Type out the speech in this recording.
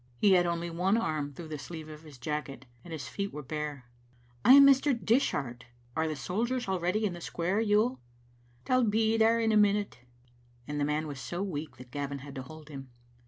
He had only one arm through the sleeve of his jacket, and his feet were bare. " I am Mr. Dishart. Are the soldiers already in the square, Yuill?" "They'll be there in a minute." The man was so weak that Gavin had to hold him.